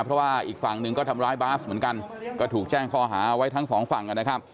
เพราะว่าอีกฝั่งหนึ่งก็ทำร้ายบาสเหมือนกันก็ถูกแจ้งข้อหาไว้ทั้งสองฝั่งนะครับ